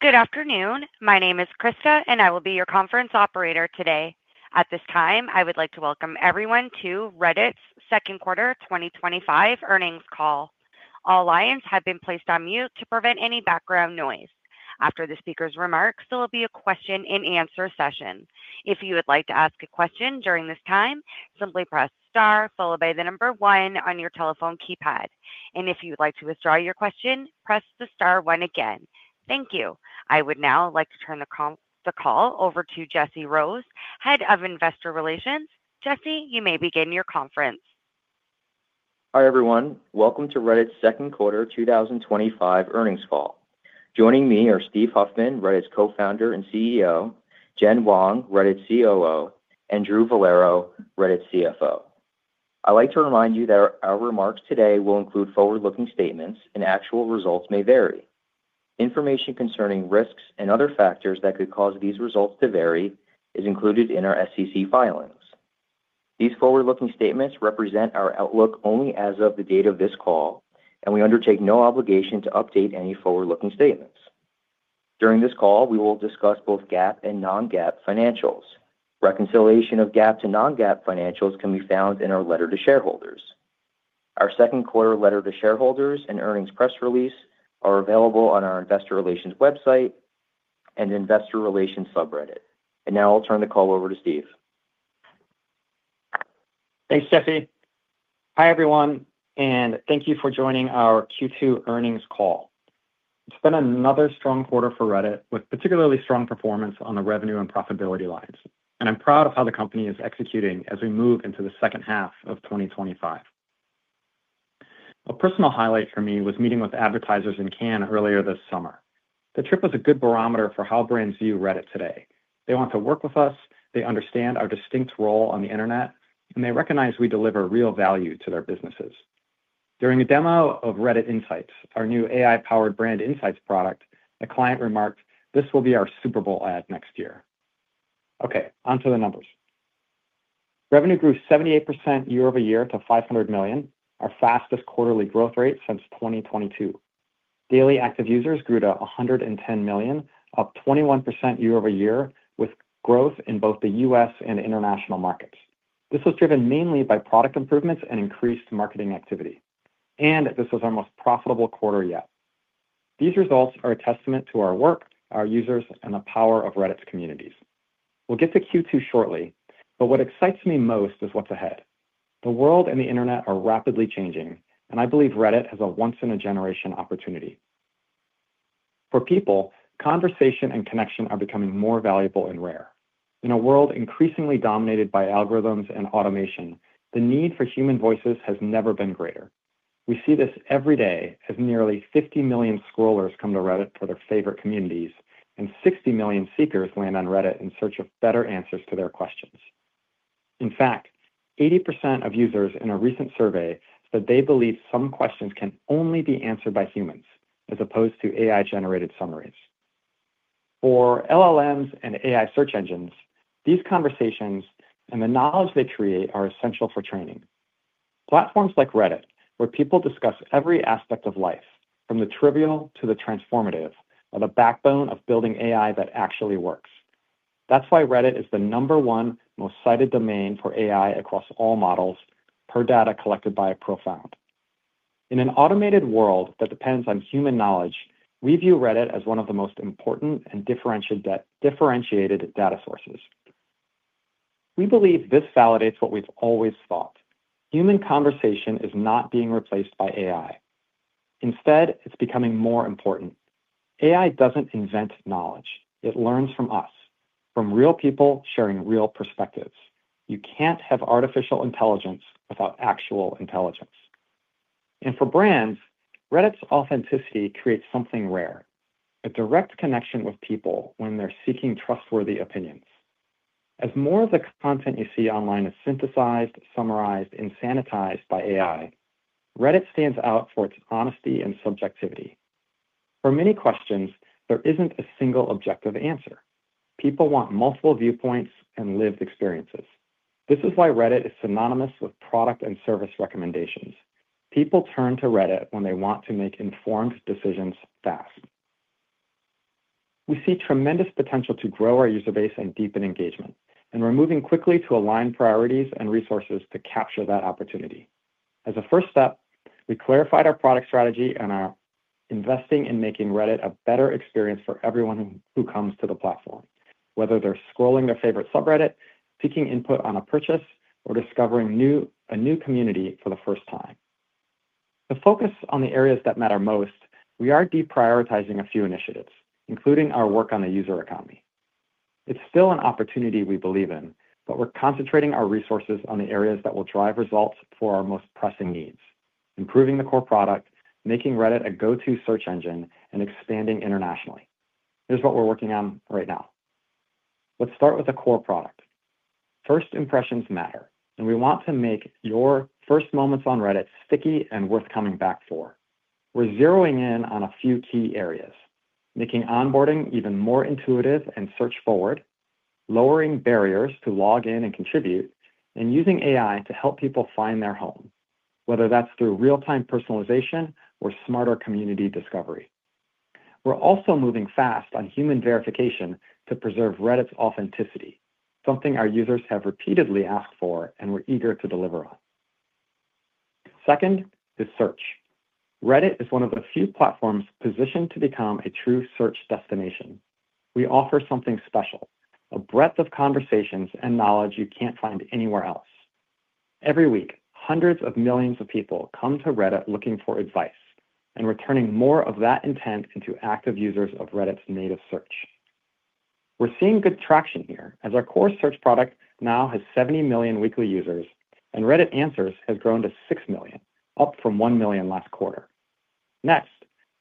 Good afternoon. My name is Krista and I will be your conference operator today. At this time I would like to welcome everyone to Reddit's Second Quarter 2025 Earnings Call. All lines have been placed on mute to prevent any background noise. After the speaker's remarks, there will be a question and answer session. If you would like to ask a question during this time, simply press star followed by the number one on your telephone keypad. If you would like to withdraw your question, press the star one again. Thank you. I would now like to turn the call over to Jesse Rose, Head of Investor Relations. Jesse, you may begin your conference. Hi everyone. Welcome to Reddit's Second Quarter 2025 Earnings Call. Joining me are Steve Huffman, Reddit's Co-Founder and CEO, Jen Wong, Reddit's COO, and Drew Vollero, Reddit's CFO. I'd like to remind you that our remarks today will include forward-looking statements and actual results may vary. Information concerning risks and other factors that could cause these results to vary is included in our SEC filings. These forward-looking statements represent our outlook only as of the date of this call and we undertake no obligation to update any forward-looking statements. During this call we will discuss both GAAP and non-GAAP financials. Reconciliation of GAAP to non-GAAP financials can be found in our letter to shareholders. Our second quarter letter to shareholders and earnings press release are available on our Investor Relations website and Investor Relations subreddit. Now I'll turn the call over to Steve. Thanks Jesse. Hi everyone and thank you for joining our Q2 earnings call. It's been another strong quarter for Reddit, with particularly strong performance on the revenue and profitability lines, and I'm proud of how the company is executing as we move into the second half of 2025. A personal highlight for me was meeting with advertisers in Cannes earlier this summer. The trip was a good barometer for how brands view Reddit today. They want to work with us, they understand our distinct role on the Internet, and they recognize we deliver real value to their businesses. During a demo of Reddit Insights, our new AI-powered brand insights product, the client remarked, this will be our Super Bowl ad next year. Okay, onto the numbers. Revenue grew 78% year-over-year to $500 million, our fastest quarterly growth rate since 2022. Daily active users grew to 110 million, up 21% year-over-year with growth in both the U.S. and international markets. This was driven mainly by product improvements and increased marketing activity, and this was our most profitable quarter yet. These results are a testament to our work, our users, and the power of Reddit's communities. We'll get to Q2 shortly, but what excites me most is what's ahead. The world and the Internet are rapidly changing, and I believe Reddit has a once-in-a-generation opportunity for people. Conversation and connection are becoming more valuable and rare. In a world increasingly dominated by algorithms and automation, the need for human voices has never been greater. We see this every day as nearly 50 million scrollers come to Reddit for their favorite communities, and 60 million seekers land on Reddit in search of better answers to their questions. In fact, 80% of users in a recent survey said they believe some questions can only be answered by humans, as opposed to AI-generated summaries for LLMs and AI search engines. These conversations and the knowledge they create are essential for training platforms like Reddit, where people discuss every aspect of life, from the trivial to the transformative, the backbone of building AI that actually works. That's why Reddit is the number one most cited domain for AI across all models, per data collected by a profound in an automated world that depends on human knowledge. We view Reddit as one of the most important and differentiated data sources. We believe this validates what we've always thought: human conversation is not being replaced by AI. Instead, it's becoming more important. AI doesn't invent knowledge, it learns from us, from real people sharing real perspectives. You can't have artificial intelligence without actual intelligence. For brands, Reddit's authenticity creates something rare, a direct connection with people when they're seeking trustworthy opinions. As more of the content you see online is synthesized, summarized, and sanitized by AI, Reddit stands out for its honesty and subjectivity. For many questions, there isn't a single objective answer. People want multiple viewpoints and lived experiences. This is why Reddit is synonymous with product and service recommendations. People turn to Reddit when they want to make informed decisions fast. We see tremendous potential to grow our user base and deepen engagement, and we're moving quickly to align priorities and resources to capture that opportunity. As a first step, we clarified our product strategy and are investing in making Reddit a better experience for everyone who comes to the platform, whether they're scrolling their favorite subreddit, seeking input on a purchase, or discovering a new community. For the first time, to focus on the areas that matter most, we are deprioritizing a few initiatives, including our work on the user economy. It's still an opportunity we believe in, but we're concentrating our resources on the areas that will drive results for our most pressing needs: improving the core product, making Reddit a go-to search engine, and expanding internationally. Here's what we're working on right now. Let's start with a core product. First impressions matter, and we want to make your first moments on Reddit sticky and worth coming back for. We're zeroing in on a few key areas, making onboarding even more intuitive and search forward, lowering barriers to log in and contribute, and using AI to help people find their home, whether that's through real time personalization or smarter community discovery. We're also moving fast on human verification to preserve Reddit's authenticity, something our users have repeatedly asked for, and we're eager to deliver on. Second is search. Reddit is one of the few platforms positioned to become a true search destination. We offer something special, a breadth of conversations and knowledge you can't find anywhere else. Every week, hundreds of millions of people come to Reddit looking for advice and turning more of that intent into active users of Reddit's native search. We're seeing good traction here as our core search product now has 70 million weekly users, and Reddit Answers has grown to 6 million, up from 1 million last quarter. Next,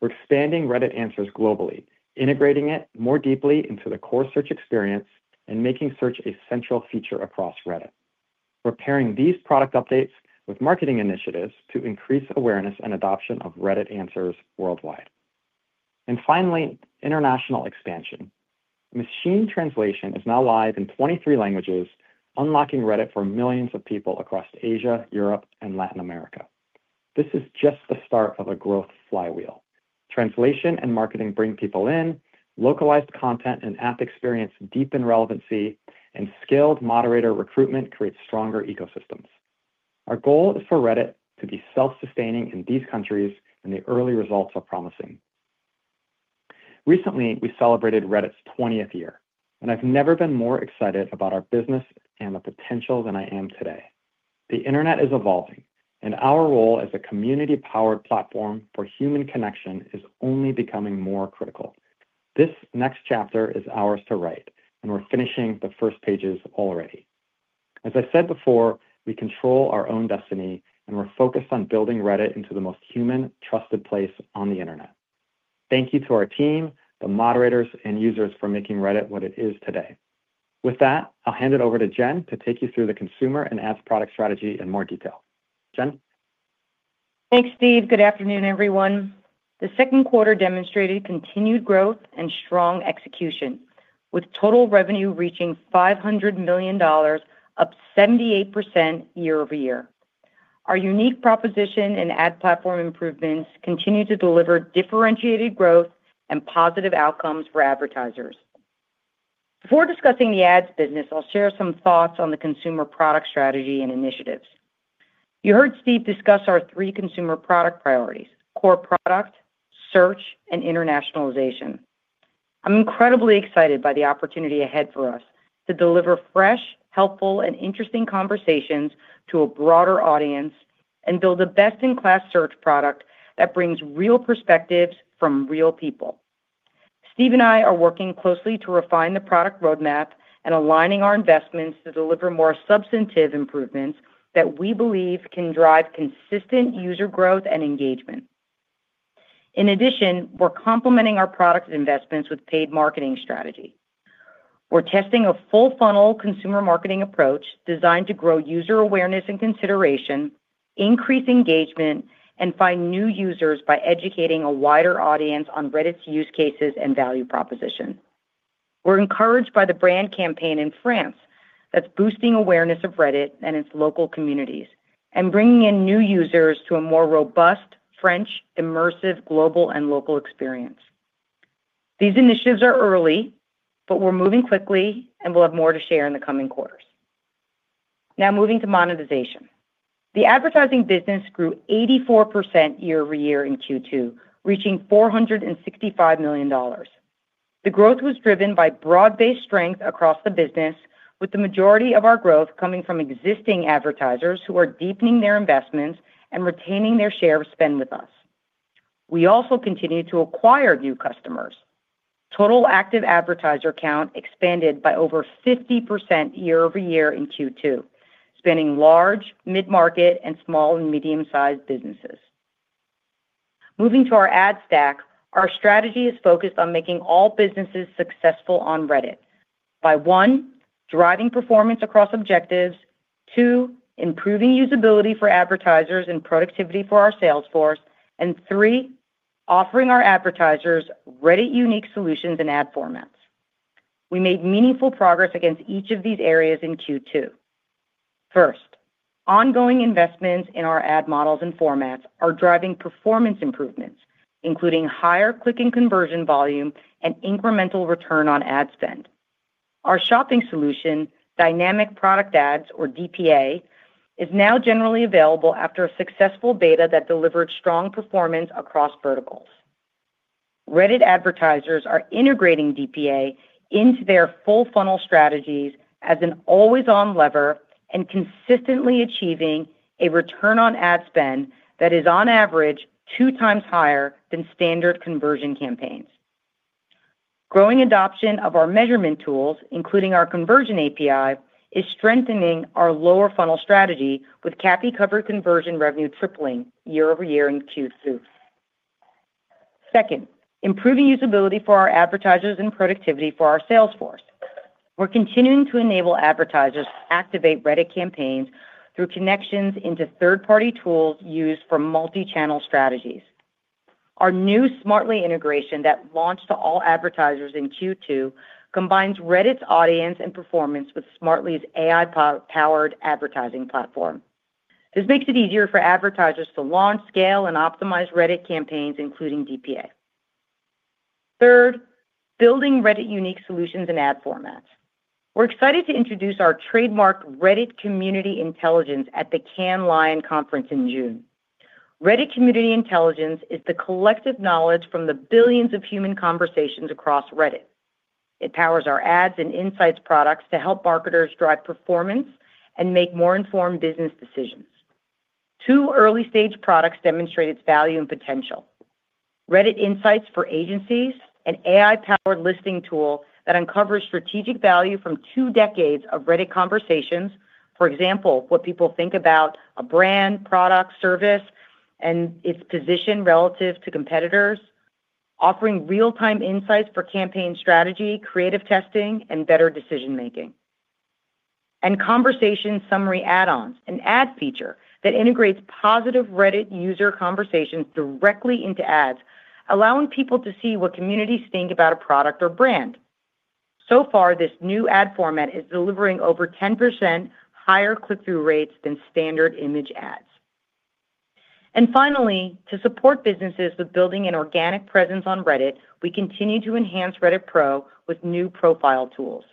we're expanding Reddit Answers globally, integrating it more deeply into the core search experience, and making search a central feature across Reddit. We're pairing these product updates with marketing initiatives to increase awareness and adoption of Reddit Answers worldwide. Finally, international expansion. Machine translation is now live in 23 languages, unlocking Reddit for millions of people across Asia, Europe, and Latin America. This is just the start of a growth flywheel. Translation and marketing bring people in, localized content and app experience deepen relevancy, and skilled moderator recruitment creates stronger ecosystems. Our goal is for Reddit to be self-sustaining in these countries, and the early results are promising. Recently, we celebrated Reddit's 20th year, and I've never been more excited about our business and the potential than I am today. The Internet is evolving, and our role as a community powered platform for human connection is only becoming more critical. This next chapter is ours to write, and we're finishing the first pages already. As I said before, we control our own destiny, and we're focused on building Reddit into the most human trusted place on the Internet. Thank you to our team, the moderators, and users for making Reddit what it is today. With that, I'll hand it over to Jen to take you through the consumer and Ads product strategy in more detail. Jen. Thanks Steve. Good afternoon everyone. The second quarter demonstrated continued growth and strong execution, with total revenue reaching $500 million, up 78% year-over-year. Our unique proposition and ad platform improvements continue to deliver differentiated growth and positive outcomes for advertisers. Before discussing the ads business, I'll share some thoughts on the consumer product strategy and initiatives. You heard Steve discuss our three consumer product core product Search and internationalization. I'm incredibly excited by the opportunity ahead for us to deliver fresh, helpful, and interesting conversations to a broader audience and build a best-in-class search product that brings real perspectives from real people. Steve and I are working closely to refine the product roadmap and aligning our investments to deliver more substantive improvements that we believe can drive consistent user growth and engagement. In addition, we're complementing our product investments with paid marketing strategy. We're testing a full-funnel consumer marketing approach designed to grow user awareness and consideration, increase engagement, and find new users by educating a wider audience on Reddit's use cases and value proposition. We're encouraged by the brand campaign in France that's boosting awareness of Reddit and its local communities and bringing in new users to a more robust French immersive, global, and local experience. These initiatives are early, but we're moving quickly and we'll have more to share in the coming quarters. Now moving to monetization, the advertising business grew 84% year-over-year in Q2, reaching $465 million. The growth was driven by broad-based strength across the business, with the majority of our growth coming from existing advertisers who are deepening their investments and retaining their share of spend with us. We also continue to acquire new customers. Total active advertiser count expanded by over 50% year-over-year in Q2, spanning large, mid-market, and small and medium-sized businesses. Moving to our ad stack, our strategy is focused on making all businesses successful on Reddit by 1. driving performance across objectives, 2. improving usability for advertisers and productivity for our sales force, and 3. offering our advertisers Reddit unique solutions and ad formats. We made meaningful progress against each of these areas in Q2. First, ongoing investments in our ad models and formats are driving performance improvements, including higher clicking, conversion volume, and incremental return on ad spend. Our shopping solution, Dynamic Product Ads or DPA, is now generally available after a successful beta that delivered strong performance across verticals. Reddit advertisers are integrating DPA into their full funnel strategies as an always-on lever and consistently achieving a return on ad spend that is on average two times higher than standard conversion campaigns. Growing adoption of our measurement tools, including our Conversion API, is strengthening our lower funnel strategy, with CAPI-covered conversion revenue tripling year over year in Q2. Second, improving usability for our advertisers and productivity for our sales force. We're continuing to enable advertisers to activate Reddit campaigns through connections into third-party tools used for multi-channel strategies. Our new Smartly integration that launched to all advertisers in Q2 combines Reddit's audience and performance with Smartly's AI-powered advertising platform. This makes it easier for advertisers to launch, scale, and optimize Reddit campaigns, including DPA. Third, building Reddit-unique solutions and ad formats, we're excited to introduce our trademark Reddit Community Intelligence at the CannesLION conference in June. Reddit Community Intelligence is the collective knowledge from the billions of human conversations across Reddit. It powers our Ads and Insights products to help marketers drive performance and make more informed business decisions. Two early-stage products demonstrate its value and potential: Reddit Insights for Agencies, an AI-powered listing tool that uncovers strategic value from two decades of Reddit conversations. For example, what people think about a brand, product, service, and its position relative to competitors, offering real-time insights for campaign strategy, creative testing, and better decision making; and Conversation Summary Add-Ons, an ad feature that integrates positive Reddit user conversations directly into ads, allowing people to see what communities think about a product or brand. This new ad format is delivering over 10% higher click-through rates than standard image ads. Finally, to support businesses with building an organic presence on Reddit, we continue to enhance Reddit Pro with new profile tools.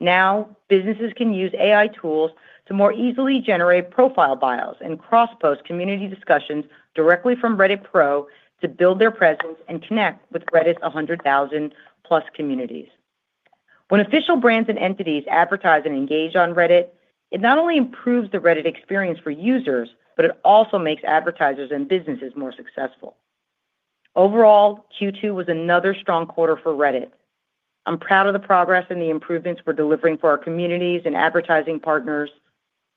Now businesses can use AI tools to more easily generate profile bios and cross post community discussions directly from Reddit Pro to build their presence and connect with Reddit's 100,000+ communities. When official brands and entities advertise and engage on Reddit, it not only improves the Reddit experience for users, but it also makes advertisers and businesses more successful overall. Q2 was another strong quarter for Reddit. I'm proud of the progress and the improvements we're delivering for our communities and advertising partners.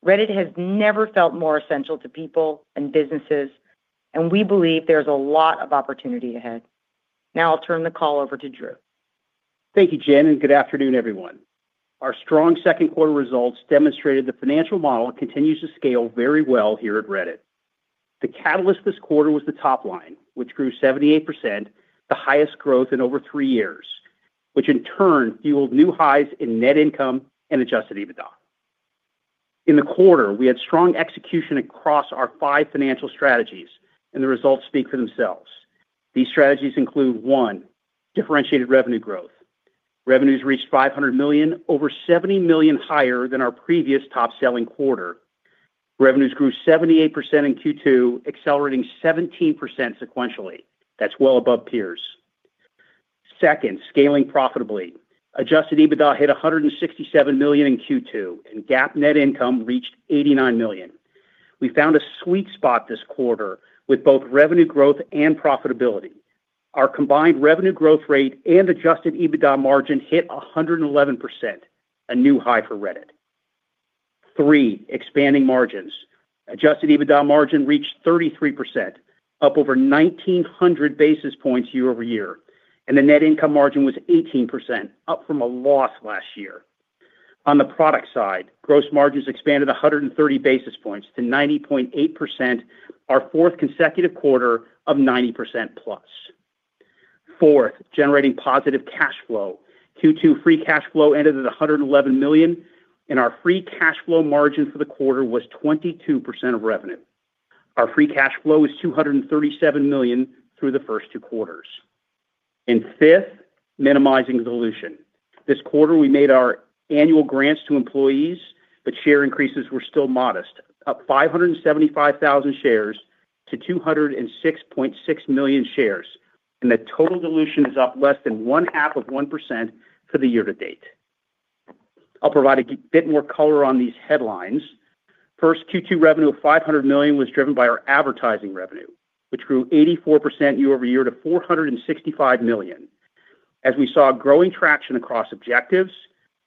Reddit has never felt more essential to people and businesses, and we believe there's a lot of opportunity ahead. Now I'll turn the call over to Drew. Thank you Jen and good afternoon everyone. Our strong second quarter results demonstrated the financial model continues to scale very well here at Reddit. The catalyst this quarter was the top line, which grew 78%, the highest growth in over three years, which in turn fueled new highs in net income and Adjusted EBITDA in the quarter. We had strong execution across our five financial strategies and the results speak for themselves. These strategies include: 1. Differentiated revenue growth. Revenues reached $500 million, over $70 million higher than our previous top selling quarter. Revenues grew 78% in Q2, accelerating 17% sequentially. That's well above peers. Second, scaling profitably. Adjusted EBITDA hit $167 million in Q2 and GAAP net income reached $89 million. We found a sweet spot this quarter with both revenue growth and profitability. Our combined revenue growth rate and Adjusted EBITDA margin hit 111%, a new high for Reddit. 3. Expanding margins. Adjusted EBITDA margin reached 33%, up over 1900 basis points year over year, and the net income margin was 18%, up from a loss last year. On the product side, gross margins expanded 130 basis points to 90.8%. Our fourth consecutive quarter of 90%+. Fourth, generating positive cash flow. Q2 free cash flow ended at $111 million and our free cash flow margin for the quarter was 22% of revenue. Our free cash flow is $237 million through the first two quarters. Fifth, minimizing dilution. This quarter we made our annual grants to employees, but share increases were still modest, up 575,000 shares to 206.6 million shares, and the total dilution is up less than 0.5% for the year to date. I'll provide a bit more color on these headlines. First, Q2 revenue of $500 million was driven by our advertising revenue, which grew 84% year-over- year to $465 million as we saw growing traction across objectives,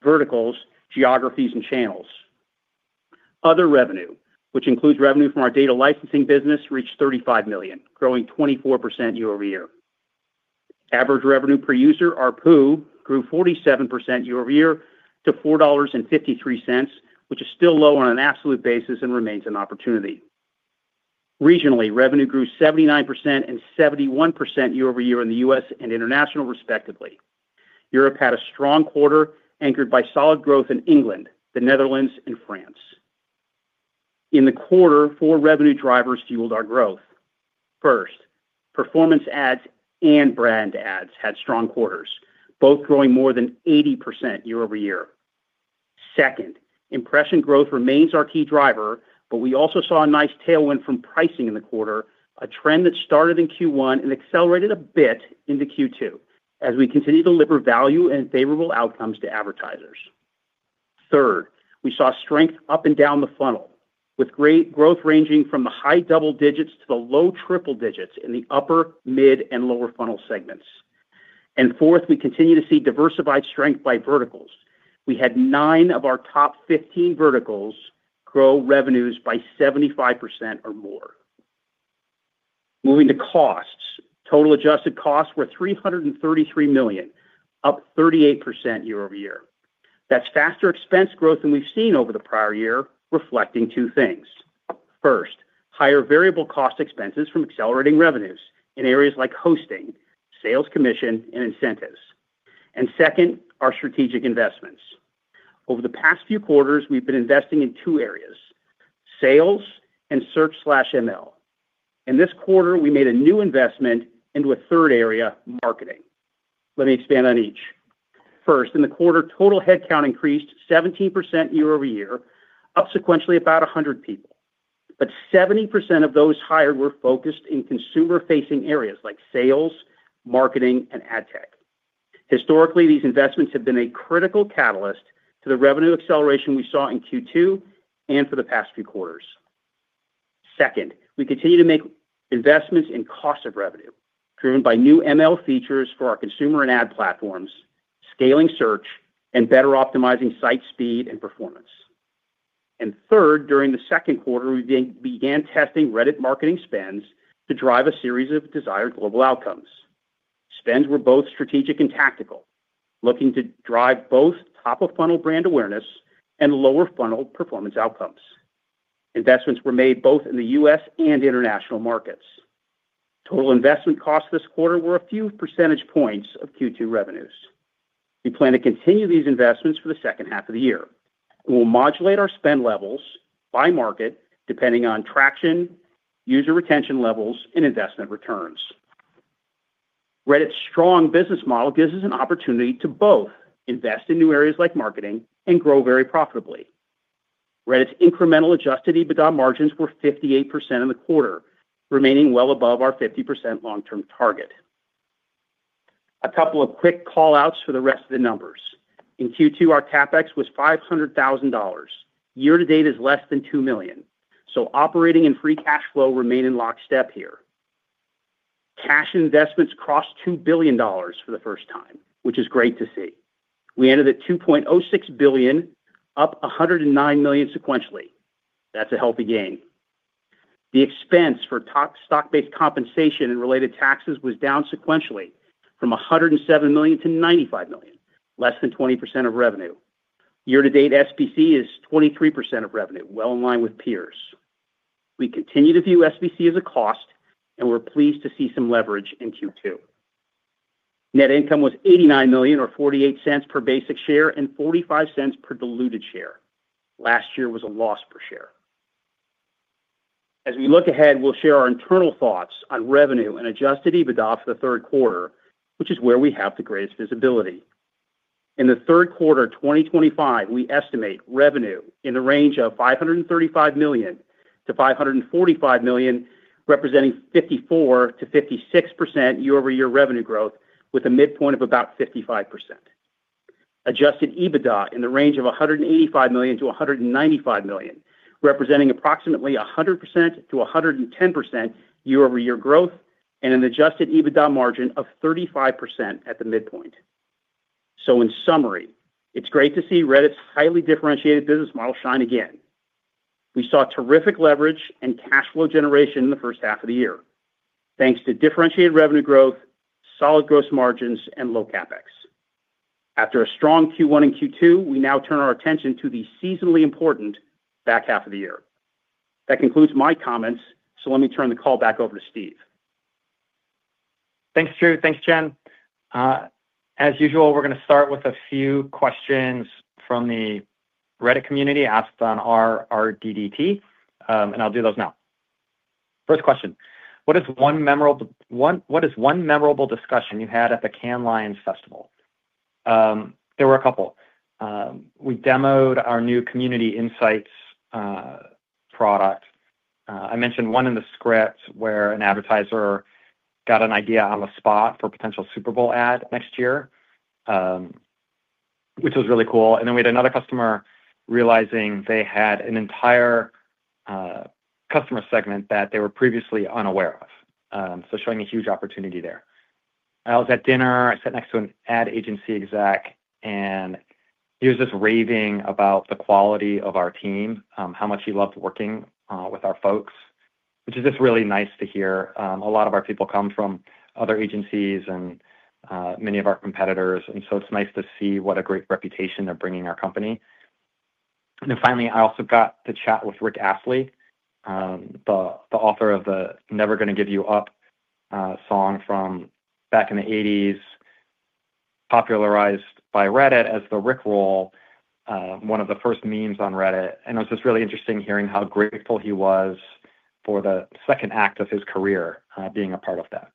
verticals, geographies, and channels. Other revenue, which includes revenue from our data licensing business, reached $35 million, growing 24% year-over-year. Average revenue per user, ARPU, grew 47% year-over-year to $4.53, which is still low on an absolute basis and remains an opportunity. Regionally, revenue grew 79% and 71% year-over-year in the U.S. and international respectively. Europe had a strong quarter anchored by solid growth in England, the Netherlands, and France in the quarter. Four revenue drivers fueled our growth. First, Performance Ads and Brand Ads had strong quarters, both growing more than 80% year-over-year. Second, impression growth remains our key driver, but we also saw a nice tailwind from pricing in the quarter, a trend that started in Q1 and accelerated a bit into Q2 as we continue to deliver value and favorable outcomes to advertisers. Third, we saw strength up and down the funnel with growth ranging from the high double digits to the low triple digits in the upper, mid, and lower funnel segments. Fourth, we continue to see diversified strength by verticals. We had nine of our top 15 verticals grow revenues by 75% or more. Moving to costs, total adjusted costs were $333 million, up 38% year-over-year. That is faster expense growth than we've seen over the prior year, reflecting two things. First, higher variable cost expenses from accelerating revenues in areas like hosting, sales, commission, and incentives. Second, our strategic investments. Over the past few quarters, we've been investing in two areas: sales and search ML. In this quarter, we made a new investment into a third area, marketing. Let me expand on each. First, in the quarter, total headcount increased 17% year-over-year, up sequentially about 100 people. 70% of those hired were focused in consumer-facing areas like sales, marketing, and ad tech. Historically, these investments have been a critical catalyst to the revenue acceleration we saw in Q2 and for the past few quarters. Second, we continue to make investments in cost of revenue driven by new ML features for our consumer and ad platforms, scaling search, and better optimizing site speed and performance. Third, during the second quarter, we began testing Reddit marketing spends to drive a series of desired global outcomes. Spends were both strategic and tactical, looking to drive both top of funnel brand awareness and lower funnel performance outcomes. Investments were made both in the U.S. and international markets. Total investment costs this quarter were a few percentage points of Q2 revenues. We plan to continue these investments for the second half of the year. We'll modulate our spend levels by market depending on traction, user retention levels, and investment returns. Reddit's strong business model gives us an opportunity to both invest in new areas like marketing and grow very profitably. Reddit's incremental Adjusted EBITDA margins were 58% in the quarter, remaining well above our 50% long-term target. A couple of quick call outs for the rest of the numbers. In Q2 our CapEx was $500,000. Year to date is less than $2 million, so operating and free cash flow remain in lockstep here. Cash investments crossed $2 billion for the first time, which is great to see. We ended at $2.06 billion, up $109 million sequentially. That's a healthy gain. The expense for stock-based compensation and related taxes was down sequentially from $107 million to $95 million, less than 20% of revenue year to date. SPC is 23% of revenue, well in line with peers. We continue to view SPC as a cost, and we're pleased to see some leverage in Q2. Net income was $89 million or $0.48 per basic share and $0.45 per diluted share. Last year was a loss per share. As we look ahead, we'll share our internal thoughts on revenue and Adjusted EBITDA for the third quarter, which is where we have the greatest visibility. In the Third Quarter 2025, we estimate revenue in the range of $535 million to $545 million, representing 54% - 56% year-over-year revenue growth with a midpoint of about 55%. Adjusted EBITDA in the range of $185 million to $195 million, representing approximately 100% - 110% year over year growth and an Adjusted EBITDA margin of 35% at the midpoint. In summary, it's great to see Reddit's highly differentiated business model shine again. We saw terrific leverage and cash flow generation in the first half of the year thanks to differentiated revenue growth, solid gross margins, and low CapEx. After a strong Q1 and Q2, we now turn our attention to the seasonally important back half of the year. That concludes my comments, so let me turn the call back over to Steve. Thanks, Drew. Thanks, Jen. As usual, we're going to start with a few questions from the Reddit community asked on our Reddit and I'll do those now. First question, what is one memorable one? What is one memorable discussion you had at the Cannes Lions Festival? There were a couple. We demoed our new Reddit Insights for Agencies product. I mentioned one in the script where an advertiser got an idea on the spot for a potential Super Bowl ad next year, which was really cool. We had another customer realizing they had an entire customer segment that they were previously unaware of, showing a huge opportunity. I was at dinner, I sat next to an ad agency exec and he was just raving about the quality of our team, how much he loved working with our folks, which is just really nice to hear. A lot of our people come from other agencies and many of our competitors, so it's nice to see what a great reputation they're bringing our company. Finally, I also got to chat with Rick Astley, the author of the Never Gonna Give You Up song from back in the 1980s, popularized by Reddit as the Rick Roll, one of the first memes on Reddit. It was just really interesting hearing how grateful he was for the second act of his career being a part of that.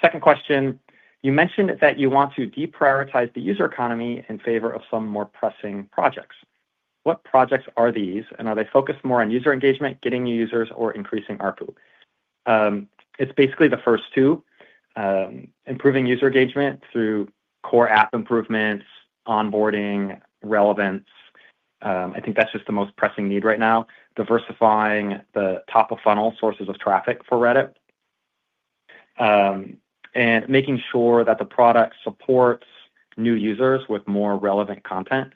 Second question, you mentioned that you want to deprioritize the user economy in favor of some more pressing projects. What projects are these and are they focused more on user engagement, getting new users, or increasing ARPU? It's basically the first two. Improving user engagement through core app improvements, onboarding, relevance. I think that's just the most pressing need right now. Diversifying the top of funnel sources of traffic for Reddit and making sure that the product supports new users with more relevant content.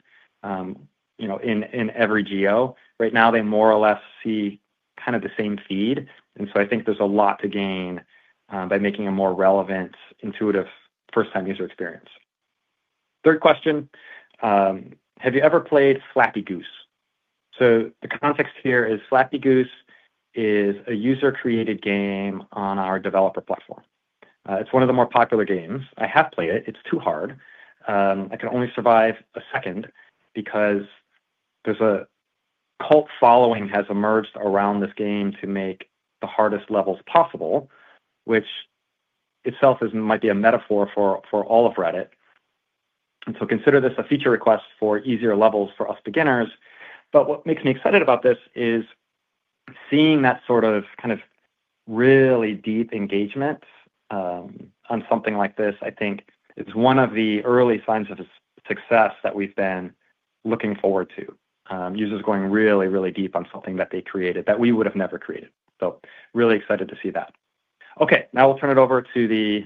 In every geo right now they more or less see kind of the same feed, so I think there's a lot to gain by making a more relevant, intuitive first-time user experience. Third question, have you ever played Flappy Goose? The context here is Flappy Goose is a user-created game on our developer platform. It's one of the more popular games. I have played it. It's too hard. I can only survive a second because there's a cult following that has emerged around this game to make the hardest levels possible, which itself might be a metaphor for all of Reddit. Consider this a feature request for easier levels for us beginners. What makes me excited about this is seeing that sort of, kind of really deep engagement on something like this. I think it is one of the early signs of success that we've been looking forward to. Users going really, really deep on something that they created that we would have never created. Really excited to see that. Okay, now we'll turn it over to the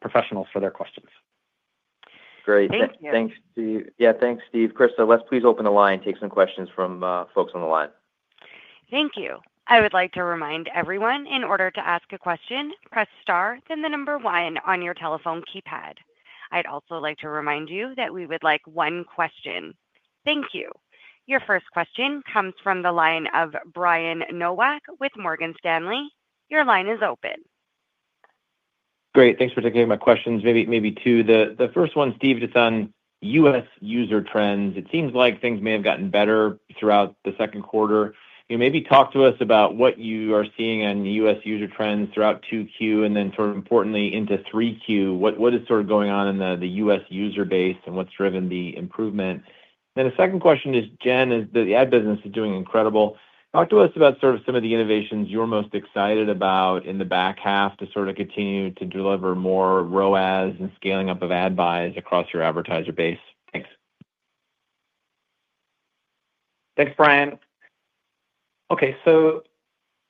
professionals for their questions. Great, thanks Steve. Thank you. Yeah, thanks, Steve. Krista, let's please open the line, take some questions from folks on the line. Thank you. I would like to remind everyone, in order to ask a question, press star, then the number one on your telephone keypad. I'd also like to remind you that we would like one question. Thank you. Your first question comes from the line of Brian Nowak with Morgan Stanley. Your line is open. Great. Thanks for taking my questions. Maybe two. The first one, Steve, just on U.S. user trends. It seems like things may have gotten better throughout the second quarter. Maybe talk to us about what you are seeing on U.S. user trends throughout Q2 and then, importantly, into Q3. What is going on in the U.S. user base and what's driven the improvement? The second question is, Jen, the ad business is doing incredible. Talk to us about some of the innovations you're most excited about in the back half to continue to deliver more ROAS and scaling up of ad buys across your active advertiser base. Thanks. Thanks, Brian.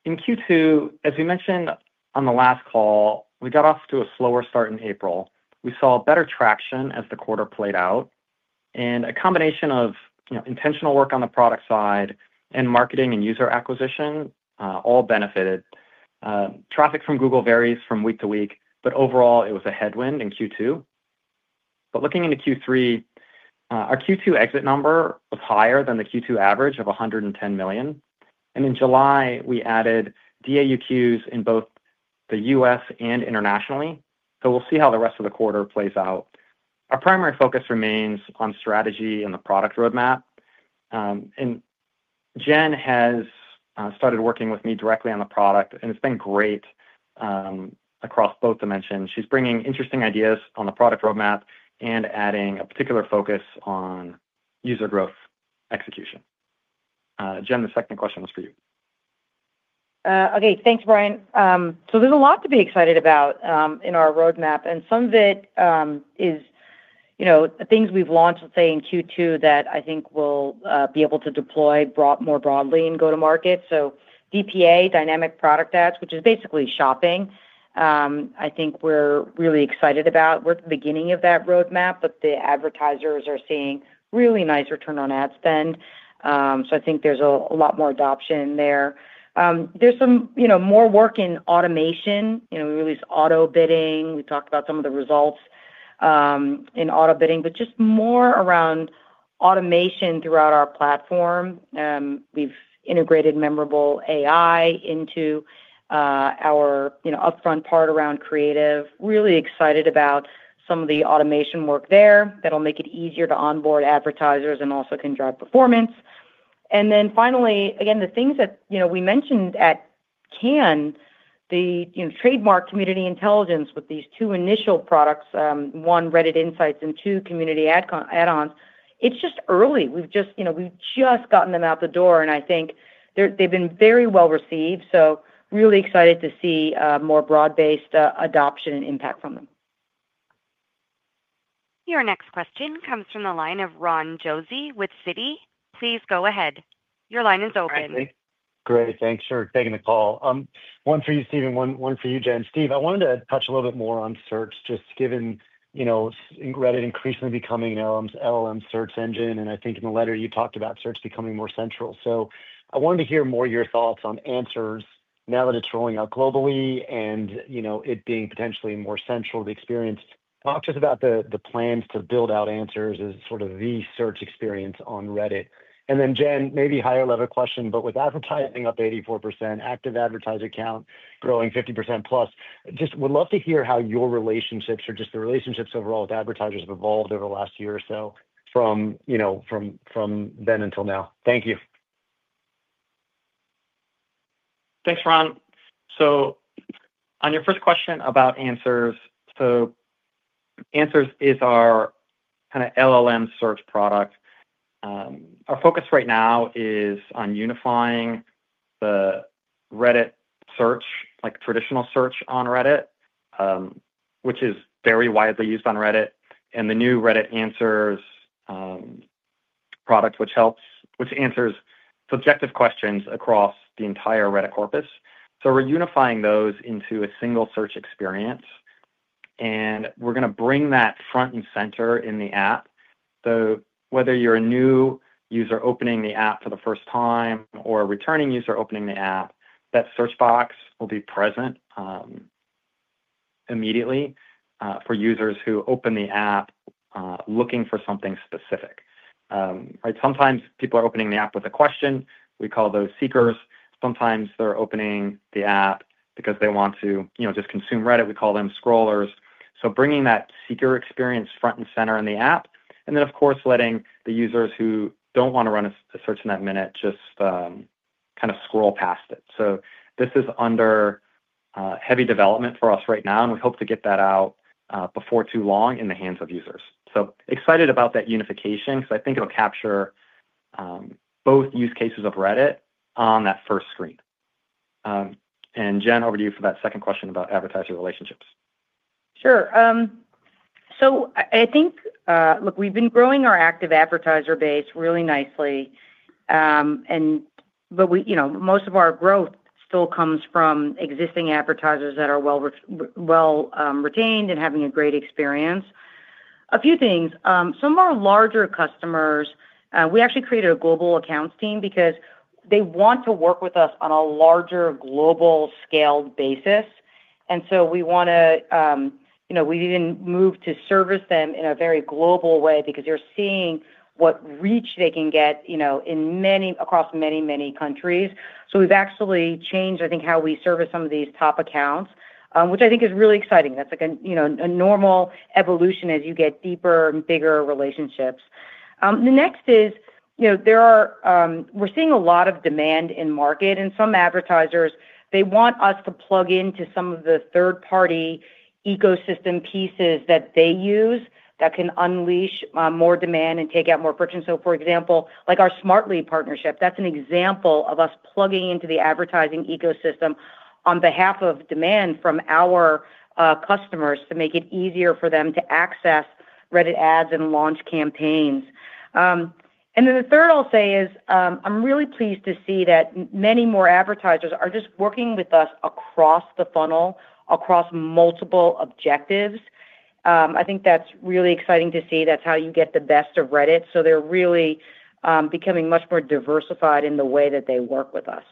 In Q2, as we mentioned on the last call, we got off to a slower start in April. We saw better traction as the quarter played out, and a combination of intentional work on the product side, marketing, and user acquisition all benefited. Traffic from Google varies from week to week, but overall it was a headwind in Q2. Looking into Q3, our Q2 exit number was higher than the Q2 average of 110 million. In July, we added DAUQs in both the U.S. and internationally. We'll see how the rest of the quarter plays out. Our primary focus remains on strategy and the product roadmap, and Jen has started working with me directly on the product. It's been great across both dimensions. She's bringing interesting ideas on the product roadmap and adding a particular focus on user growth execution. Jen, the second question is for you. Okay, thanks Brian. There's a lot to be excited about in our roadmap and some of it is things we've launched. Let's say in Q2 that I think we'll be able to deploy more broadly and go to market. Dynamic Product Ads, which is basically shopping, I think we're really excited about. We're at the beginning of that roadmap, but the advertisers are seeing really nice return on ad spend. I think there's a lot more adoption there. There's some more work in automation. We released auto bidding. We talked about some of the results in auto bidding, just more around automation. Throughout our platform we've integrated memorable AI into our upfront part around creative. Really excited about some of the automation work there that'll make it easier to onboard advertisers and also can drive performance. Finally, again the things that we mentioned at Cannes, the trademark Reddit Community Intelligence with these two initial products. One, Reddit Insights for Agencies and two, Conversation Summary Add-Ons. Just early. We've just gotten them out the door and I think they've been very well received. Really excited to see more broad-based adoption and impact from them. Your next question comes from the line of Ron Josey with Citi. Please go ahead, your line is open. Great, thanks for taking the call. One for you, Steve. One for you, Jen. Steve, I wanted to touch a little bit more on search just given, you know, Reddit increasingly becoming LLM search engine and I think in the letter you talked about search becoming more central. I wanted to hear more your thoughts on Answers now that it's rolling out globally and, you know, it being potentially more central to the experience. Talk to us about the plans to build out Answers as sort of the search experience on Reddit. Jen, maybe higher level question, but with advertising up 84%, active advertiser count growing 50%+. Just would love to hear how your relationships, or just the relationships overall with advertisers have evolved over the last year or so from then until now. Thank you. Thanks, Ron. On your first question about Answers, Answers is our kind of LLM search product. Our focus right now is on unifying the Reddit search, like traditional search on Reddit, which is very widely used on Reddit, and the new Reddit Answers product, which answers subjective questions across the entire Reddit corpus. We are unifying those into a single search experience and we are going to bring that front and center in the app. Whether you're a new user opening the app for the first time or a returning user opening the app, that search box will be present immediately. For users who open the app looking for something specific, sometimes people are opening the app with a question. We call those seekers. Sometimes they're opening the app because they want to just consume Reddit. We call them scrollers. Bringing that seeker experience front and center in the app and then of course, letting the users who want to run a search in that minute just kind of scroll past it. This is under heavy development for us right now, and we hope to get that out before too long in the hands of users. Excited about that unification because I think it'll capture both use cases of Reddit on that first screen. Jen, over to you for that second question about advertiser relationships. Sure. I think, look, we've been growing our active advertiser base really nicely, but most of our growth still comes from existing advertisers that are well retained and having a great experience. A few things, some of our larger customers, we actually created a global accounts team because they want to work with us on a larger global scale basis. We want to, you know, we even moved to service them in a very global way because they're seeing what reach they can get in many, across many, many countries. We've actually changed, I think, how we service some of these top accounts, which I think is really exciting. That's like a, you know, a normal evolution as you get deeper and bigger relationships. The next is, you know, we're seeing a lot of demand in market and some advertisers, they want us to plug into some of the third party ecosystem pieces that they use that can unleash more demand and take out more friction. For example, like our Smartly integration, that's an example of us plugging into the advertising ecosystem on behalf of demand from our customers to make it easier for them to access Reddit ads and launch campaigns. The third I'll say is I'm really pleased to see that many more advertisers are just working with us across the funnel, across multiple objectives. I think that's really exciting to see. That's how you get the best of Reddit. They're really becoming much more diversified in the way that they work with us.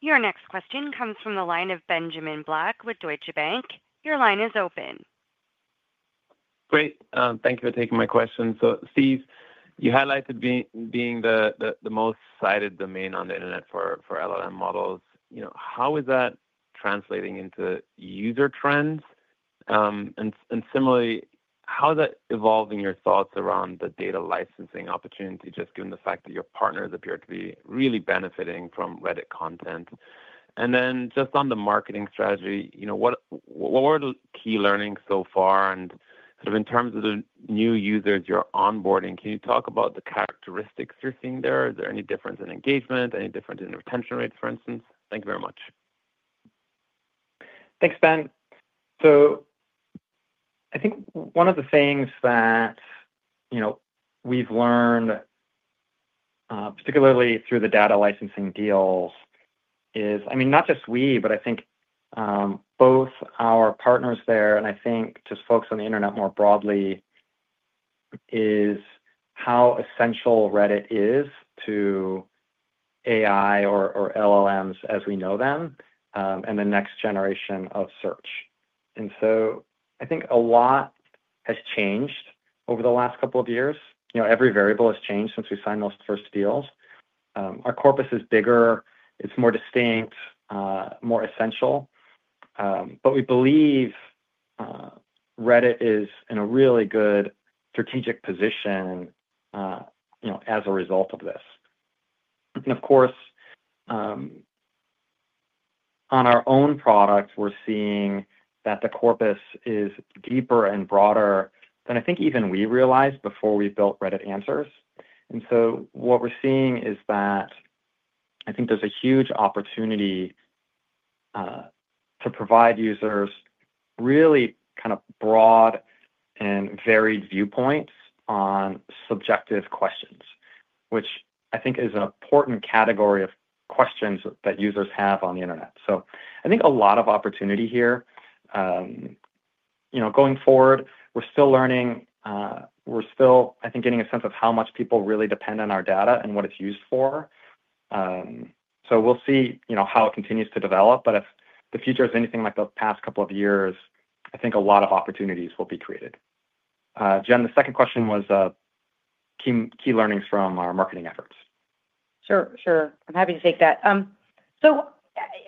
Your next question comes from the line of Benjamin Black with Deutsche Bank. Your line is open. Great. Thank you for taking my question. Steve, you highlighted being the most cited domain on the Internet for LLM models. How is that translating into user trends and similarly, how has that evolved in your thoughts around the data licensing opportunity, just given the fact that your partners appear to be really benefiting from Reddit content? On the marketing strategy, what were the key learnings so far? In terms of the new users you're onboarding, can you talk about the characteristics you're seeing there? Is there any difference in engagement, any difference in retention rates, for instance? Thank you very much. Thanks, Ben. One of the things that we've learned particularly through the data licensing deals is, not just we, but I think both our partners there, and folks on the Internet more broadly, is how essential Reddit is to AI or LLMs as we know them and the next generation of search. A lot has changed over the last couple of years. Every variable has changed since we signed those first deals. Our corpus is bigger, it's more distinct, more essential. We believe Reddit is in a really good strategic position as a result of this. On our own products, we're seeing that the corpus is deeper and broader than I think even we realized before we built Reddit Answers. What we're seeing is that there's a huge opportunity to provide users really kind of broad and varied viewpoints on subjective questions, which is an important category of questions that users have on the Internet. There is a lot of opportunity here. Going forward, we're still learning. We're still getting a sense of how much people really depend on our data and what it's used for. We'll see how it continues to develop. If the future is anything like the past couple of years, a lot of opportunities will be created. Jen, the second question was key learnings from our marketing efforts. Sure, I'm happy to take that.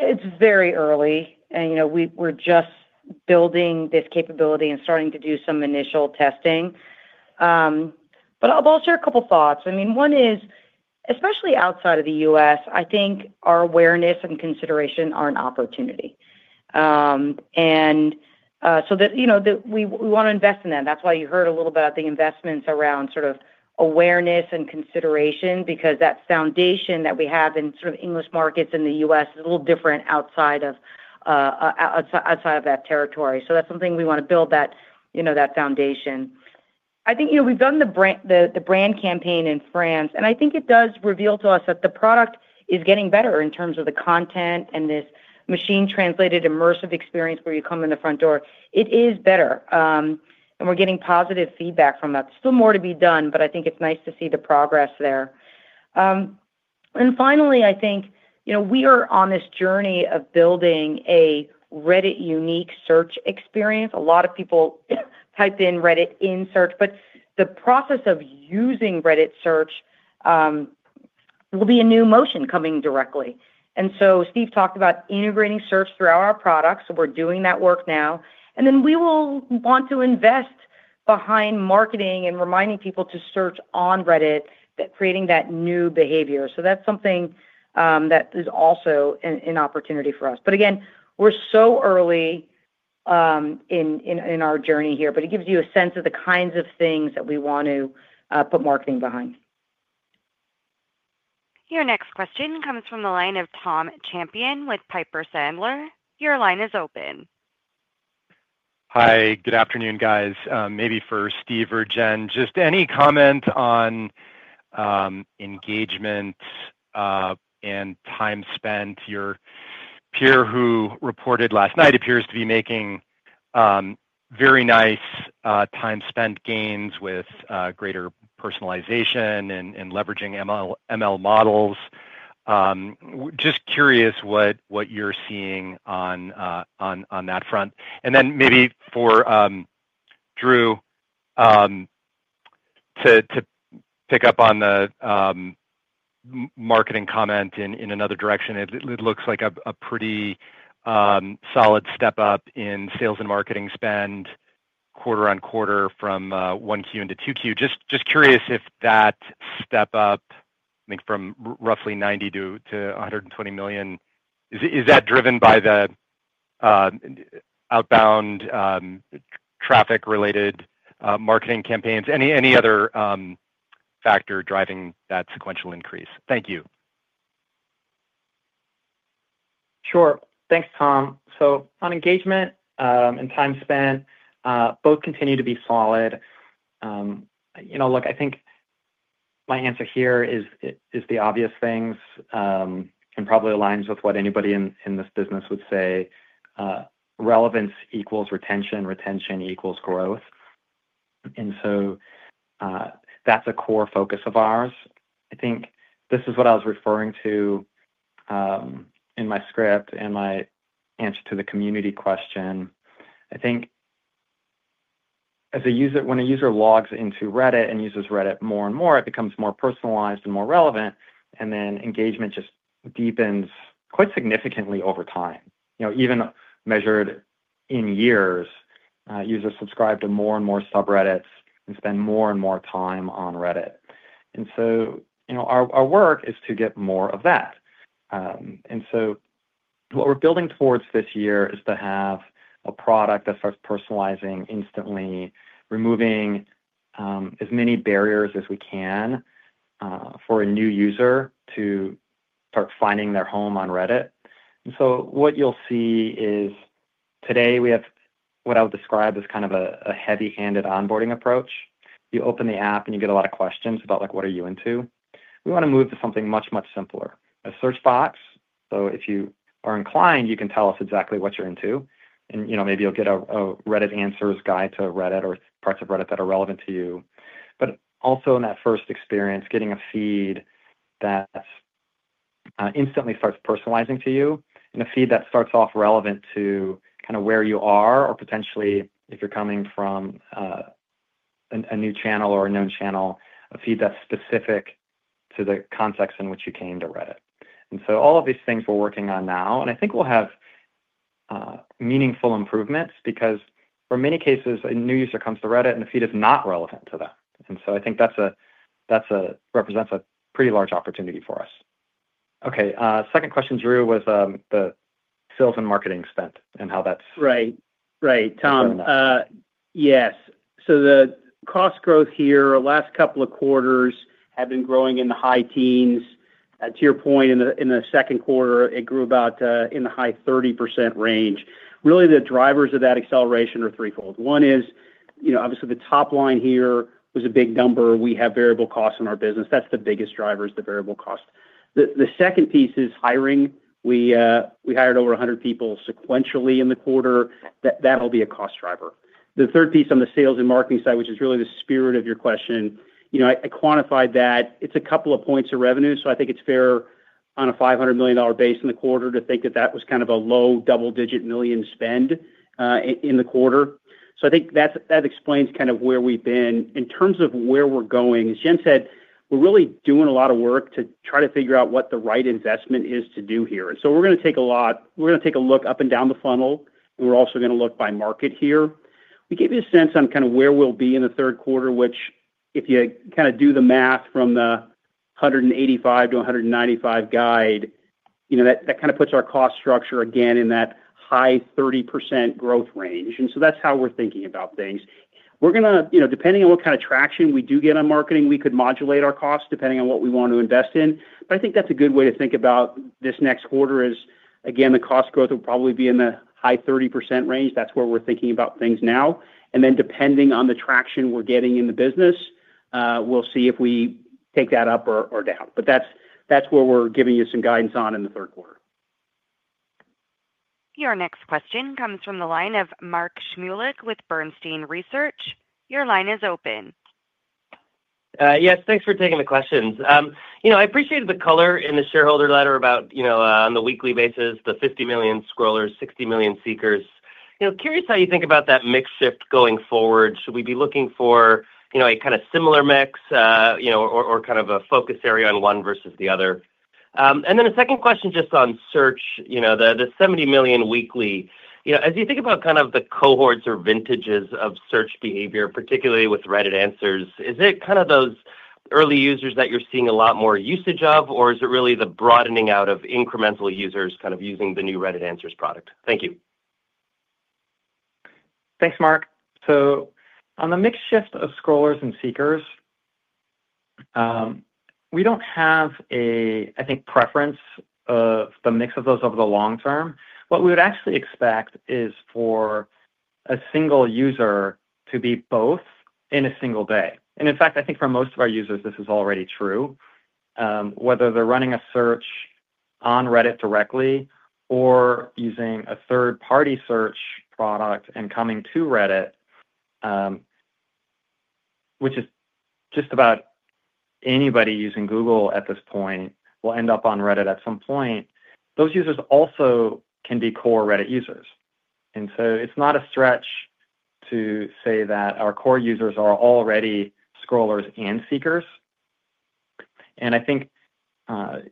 It's very early and we're just building this capability and starting to do some initial testing. I'll share a couple thoughts. One is especially outside of the U.S. I think our awareness and consideration are an opportunity and we want to invest in that. That's why you heard a little bit about the investments around awareness and consideration, because that foundation that we have in English markets in the U.S. is a little different outside of that territory. That's something we want to build, that foundation. I think we've done the brand campaign in France and I think it does reveal to us that the product is getting better in terms of the content and this machine translated immersive experience where you come in the front door, it is better and we're getting positive feedback from that. There's still more to be done, but I think it's nice to see the progress there. Finally, I think we are on this journey of building a Reddit unique search experience. A lot of people type in Reddit insert, but the process of using Reddit search will be a new motion coming directly. Steve talked about integrating search throughout our products. We're doing that work now and we will want to invest behind marketing and reminding people to search on Reddit, creating that new behavior. That's something that is also an opportunity for us. We're so early in our journey here, but it gives you a sense of the kinds of things that we want to put marketing behind. Your next question comes from the line of Tom Champion with Piper Sandler. Your line is open. Hi, good afternoon guys. Maybe for Steve or Jen, just any comment on engagement and time spent. Your peer who reported last night appears to be making very nice time spent gains with greater personalization and leveraging ML models. Just curious what you're seeing on that front. Maybe for Drew to pick up on the marketing comment in another direction. It looks like a pretty solid step up in sales and marketing spend quarter on quarter from 1Q into 2Q. Just curious if that step up, I think from roughly $90 million to $120 million, is that driven by the outbound traffic related marketing campaigns? Any other factor driving that sequential increase? Thank you. Sure. Thanks, Tom. On engagement and time spent, both continue to be solid. I think my answer here is the obvious things and probably aligns with what anybody in this business would say. Relevance equals retention, retention equals growth. That is a core focus of ours. I think this is what I was referring to in my script and my answer to the community question. I think as a user, when a user logs into Reddit and uses Reddit more and more, it becomes more personalized and more relevant and then engagement just deepens quite significantly over time. Even measured in years, users subscribe to more and more subreddits and spend more and more time on Reddit. Our work is to get more of that. What we're building towards this year is to have a product that starts personalizing instantly, removing as many barriers as we can for a new user to start finding their home on Reddit. What you'll see is today we have what I would describe as kind of a heavy-handed onboarding approach. You open the app and you get a lot of questions about like, what are you into? We want to move to something much, much simpler, a search box. If you are inclined, you can tell us exactly what you're into. Maybe you'll get a Reddit Answers guide to Reddit or parts of Reddit that are relevant to you, but also in that first experience, getting feedback that instantly starts personalizing to you and a feed that starts off relevant to kind of where you are or potentially if you're coming from a new channel or a known channel, a feed that's specific to the context in which you came to Reddit. All of these things we're working on now, and I think we'll have meaningful improvements because for many cases a new user comes to Reddit and the feed is not relevant to them. I think that represents a pretty large opportunity for us. Okay, second question, Drew. Was the sales and marketing spent and how. That's right, right, Tom? Yes. The cost growth here, last couple of quarters have been growing in the high teens. To your point, in the second quarter, it grew about in the high 30% range. Really. The drivers of that acceleration are threefold. One is, obviously the top line here was a big number. We have variable costs in our business. That's the biggest driver is the variable cost. The second piece is hiring. We hired over 100 people sequentially in the quarter. That'll be a cost driver. The third piece on the sales and marketing side, which is really the spirit of your question, I quantified that it's a couple of points of revenue. I think it's fair on a $500 million base in the quarter to think that that was kind of a low double digit million spend in the quarter. I think that explains kind of where we've been in terms of where we're going. As Jen said, we're really doing a lot of work to try to figure out what the right investment is to do here. We're going to take a look up and down the funnel and we're also going to look by market here. We gave you a sense on kind of where we'll be in the third quarter, which if you do the math from the $185 to $195 guide, that kind of puts our cost structure again in that high 30% growth range. That's how we're thinking about things. Depending on what kind of traction we do get on marketing, we could modulate our costs depending on what we want to invest in. I think that's a good way to think about this next quarter is again, the cost growth will probably be in the high 30% range. That's where we're thinking about things now. Depending on the traction we're getting in the business, we'll see if we take that up or down. That's where we're giving you some guidance on in the third quarter. Your next question comes from the line of Mark Shmulik with Bernstein Research. Your line is open. Yes, thanks for taking the questions. I appreciated the color in. The shareholder letter about, you know, on the weekly basis, the 50 million scrollers, 60 million seekers, you know, curious how you think about that mix shift going forward. Should we be looking for a kind of similar mix or kind of a focus area on one versus the other? A second question just on search, the 70 million weekly, as you think about kind of the cohorts or vintages of search behavior, particularly with Reddit. Answers, is it kind of those early? Users that you're seeing a lot more. Usage of or is it really the. Broadening out of incremental users kind of using the new Reddit Answers product? Thank you. Thanks, Mark. On the mix shift of scrollers and Seekers, we don't have a preference of the mix of those over the long term. What we would actually expect is for a single user to be both in a single day. In fact, I think for most of our users this is already true, whether they're running a search on Reddit directly or using a third-party search product and coming to Reddit, which is just about anybody using Google at this point will end up on Reddit at some point. Those users also can be core Reddit users. It's not a stretch to say that our core users are already scrollers and Seekers. I think a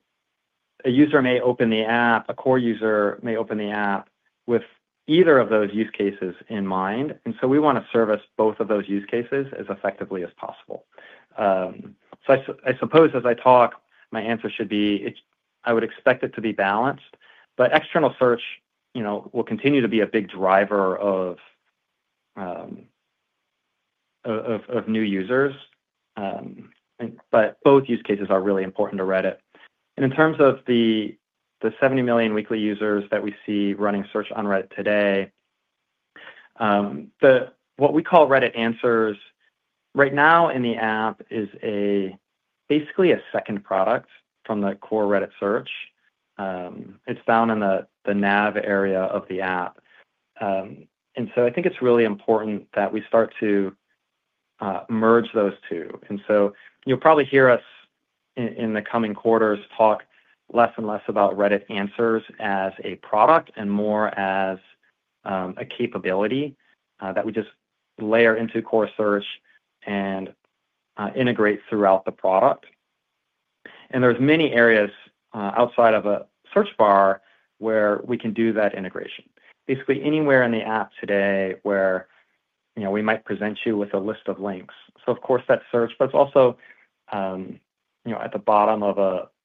user may open the app, a core user may open the app with either of those use cases in mind. We want to service both of those use cases as effectively as possible. I suppose as I talk, my answer should be, I would expect it to be balanced. External search will continue to be a big driver of new users. Both use cases are really important to Reddit. In terms of the 70 million weekly users that we see running search on Reddit today, what we call Reddit Answers right now in the app is basically a second product from the core Reddit search. It's found in the nav area of the app. I think it's really important that we start to merge those two. You'll probably hear us in the coming quarters talk less and less about Reddit Answers as a product and more as a capability that we just layer into core search and integrate throughout the product. There are many areas outside of a search bar where we can do that integration, basically anywhere in the app today where we might present you with a list of links. Of course, that's search, but it's also at the bottom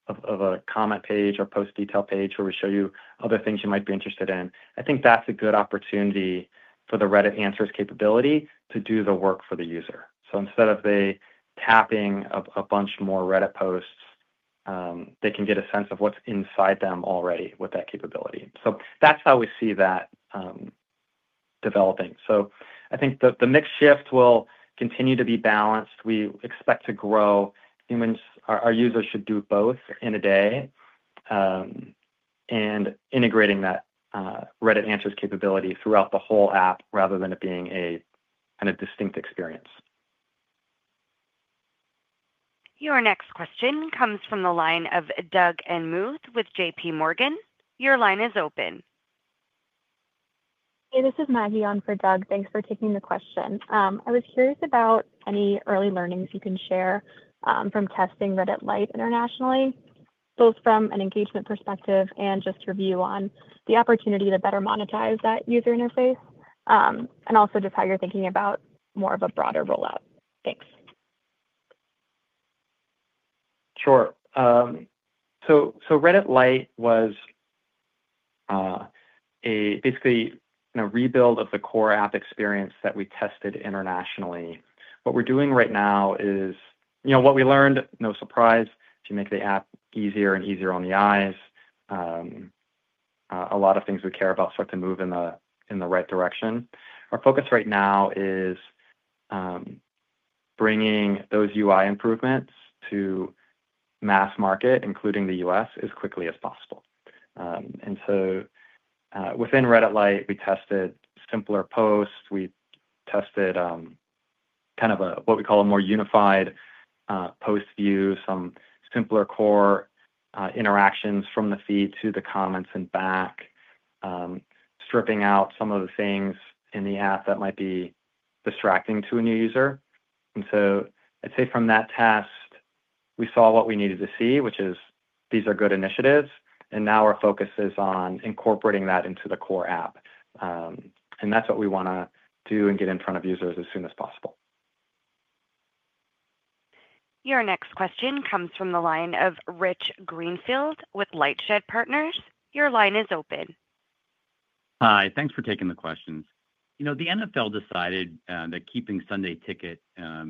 of a comment page or post detail page where we show you other things you might be interested in. I think that's a good opportunity for the Reddit Answers capability to do the work for the user. Instead of tapping a bunch more Reddit posts, they can get a sense of what's inside them already with that capability. That's how we see that developing. I think the mix shift will continue to be balanced. We expect to grow humans. Our users should do both. In a day. Integrating that Reddit Answers capability throughout the whole app, rather than it being a distinct experience. Your next question comes from the line of Doug Anmuth with JPMorgan. Your line is open. This is Maggie on for Doug. Thanks for taking the question. I was curious about any early learnings you can share from testing Reddit Lite internationally, both from an engagement perspective and just your view on the opportunity to better monetize that user interface, and also how you're thinking about more of a broader rollout. Thanks. Sure. Reddit Lite was basically a rebuild of the core app experience that we tested internationally. What we're doing right now is what we learned. No surprise, to make the app easier and easier on the eyes, a lot of things we care about start to move in the right direction. Our focus right now is bringing those UI improvements to mass market, including the U.S., as quickly as possible. Within Reddit Lite, we tested simpler posts, we tested what we call a more unified post view, some simpler core interactions from the feed to the comments and back, stripping out some of the things in the app that might be distracting to a new user. From that test, we saw what we needed to see, which is these are good initiatives. Our focus is on incorporating that into the core app, and that's what we want to do and get in front of users as soon as possible. Your next question comes from the line of Rich Greenfield with LightShed Partners. Your line is open. Hi. Thanks for taking the questions. You know, the NFL decided that keeping Sunday Ticket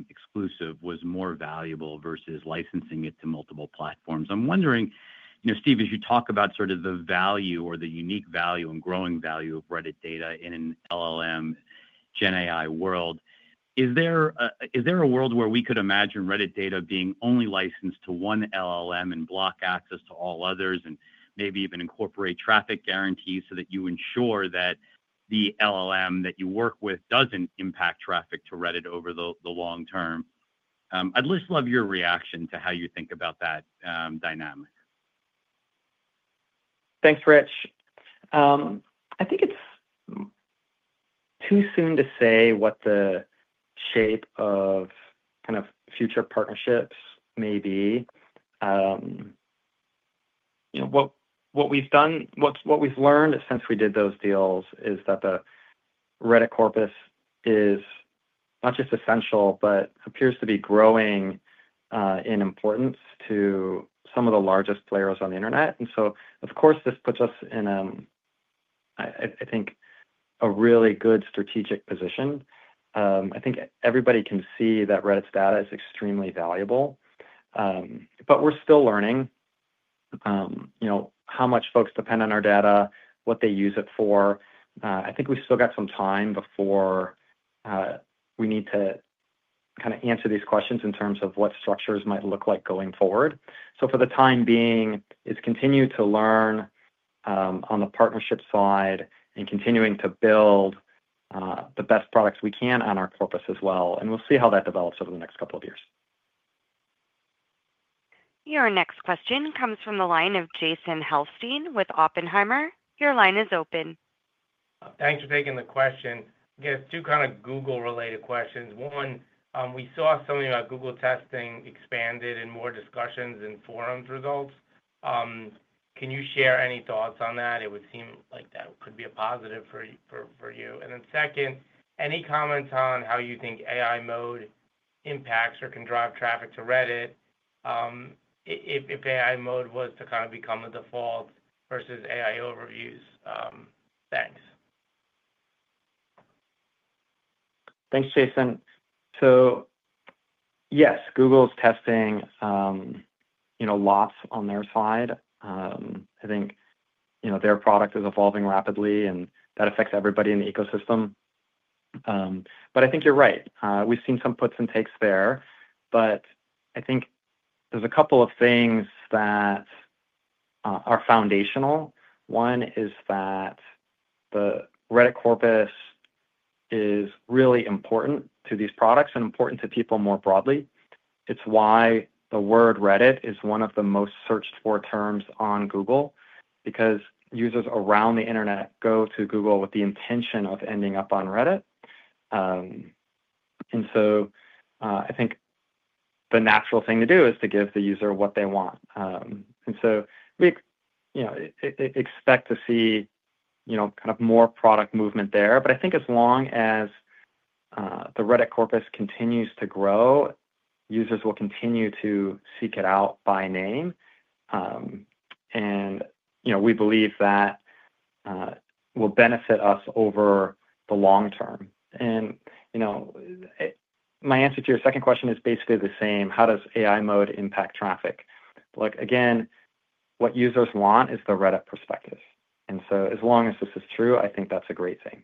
exclusive was more valuable versus licensing it to multiple platforms. I'm wondering, Steve, as you talk about sort of the value or the unique value and growing value of. Reddit data in an LLM and Gen AI world, is there a world where we could imagine Reddit data being only. Licensed to one LLM and block access to all others and maybe even incorporate. Traffic guarantees so that you ensure that. The LLM that you work with doesn't impact traffic to Reddit over the long term? I'd just love your reaction to how you think about that dynamic. Thanks, Rich. I think it's too soon to say what the shape of kind of future partnerships may be. What we've done, what we've learned since we did those deals, is that the Reddit corpus is not just essential, but appears to be growing in importance to some of the largest players on the Internet. Of course, this puts us in, I think, a really good strategic position. I think everybody can see that Reddit's data is extremely valuable, but we're still learning how much folks depend on our data, what they use it for. I think we've still got some time before we need to kind of answer these questions in terms of what structures might look like going forward. For the time being, we continue to learn on the partnership side and continue to build the best products we can on our corpus as well. We'll see how that develops over the next couple of years. Your next question comes from the line of Jason Helfstein with Oppenheimer. Your line is open. Thanks for taking the question. I guess two kind of Google related questions. One, we saw something about Google testing expanded in more discussions and forums results. Can you share any thoughts on that? It would seem like that could be. A positive for you. Second, any comments on how. You think AI mode impacts or can. Drive traffic to Reddit if AI mode was to kind of become a default versus AI overviews. Thanks. Thanks, Jason. Yes, Google's testing lots on their side. I think their product is evolving rapidly, and that affects everybody in the ecosystem. I think you're right, we've seen some puts and takes there. I think there are a couple of things that are foundational. One is that the Reddit corpus is really important to these products and important to people more broadly. It's why the word Reddit is one of the most searched for terms on Google, because users around the Internet go to Google with the intention of ending up on Reddit. I think the natural thing to do is to give the user what they want. We expect to see more product movement there. I think as long as the Reddit corpus continues to grow, users will continue to seek it out by name. We believe that will benefit us over the long term. My answer to your second question is basically the same. How does AI mode impact traffic? Look, what users want is the Reddit perspective. As long as this is true, I think that's a great thing.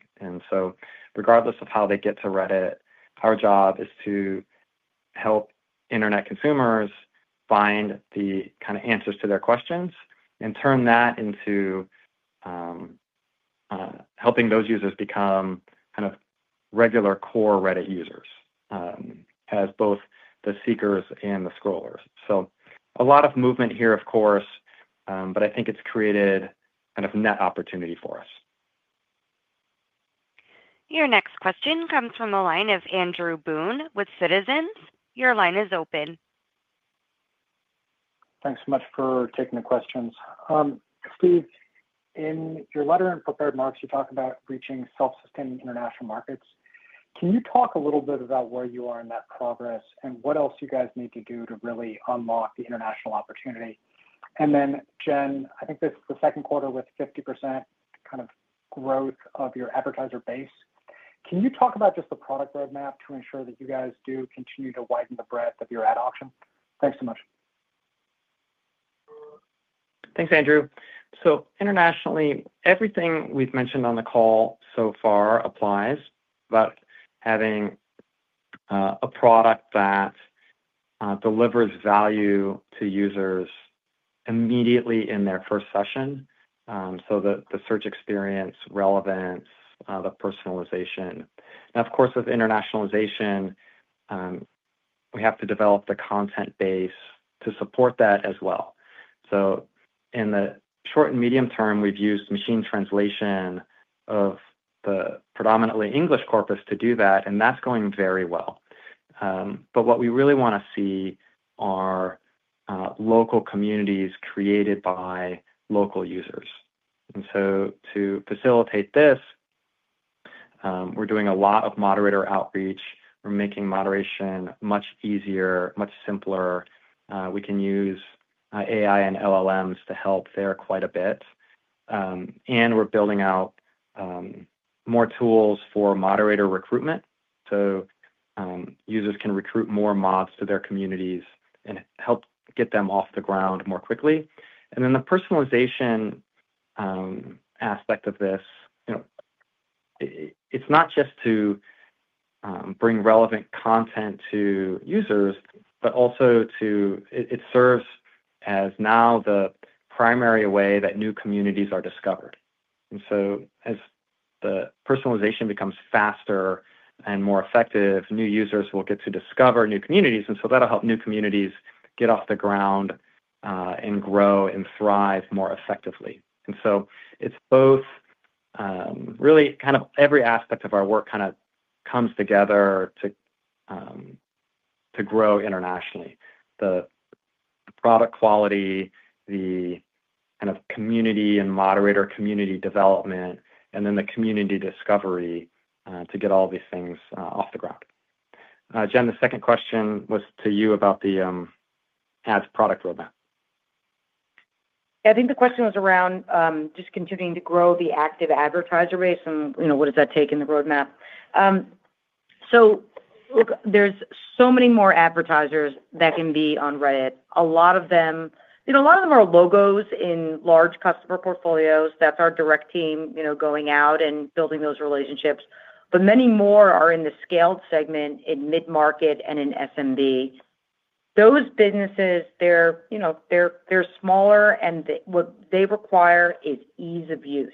Regardless of how they get to Reddit, our job is to help Internet consumers find the kind of answers to their questions and turn that into helping those users become regular core Reddit users as both the seekers and the scrollers. There is a lot of movement here, of course, but I think it's created net opportunity for us. Your next question comes from the line of Andrew Boone with JMP Securities. Your line is open. Thanks so much for taking the questions. Steve, in your letter and prepared remarks you talk about reaching self-sustaining international markets. Can you talk a little bit about where you are in that progress and what else you guys need to do to really unlock the international opportunity? Jen, I think this is the second quarter with 50% kind of growth of your advertiser base. Can you talk about just the product roadmap to ensure that you guys do continue to widen the breadth of your ad auction? Thanks so much. Thanks, Andrew. Internationally, everything we've mentioned on the call so far applies about having a product that delivers value to users immediately in their first session. The search experience, relevance, the personalization. Now, of course, with internationalization, we have to develop the content base to support that as well. In the short and medium term, we've used machine translation of the predominantly English corpus to do that, and that's going very well. What we really want to see are local communities created by local users. To facilitate this, we're doing a lot of moderator outreach. We're making moderation much easier, much simpler. We can use AI and LLMs to help there quite a bit. We're building out more tools for moderator recruitment so users can recruit more mods to their communities and help get them off the ground more quickly. The personalization aspect of this, you know, it's not just to bring relevant content to users, but also it serves as now the primary way that new communities are discovered. As the personalization becomes faster and more effective, new users will get to discover new communities. That'll help new communities get off the ground and grow and thrive more effectively. It's really kind of every aspect of our work coming together to grow internationally: the product quality, the community and moderator community development, and then the community discovery to get all these things off the ground. Jen, the second question was to you about the ads product roadmap. I think the question was around just continuing to grow the active advertiser base and what does that take in the roadmap. There are so many more advertisers that can be on Reddit. A lot of them are logos in large customer portfolios. That's our direct team going out and building those relationships. Many more are in the scaled segment, in mid market and in SMB. Those businesses are smaller and what they require is ease of use.